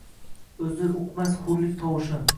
Oʻzi uqmas hurlik tovushin.